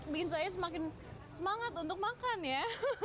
bikin saya semakin semangat untuk makan ya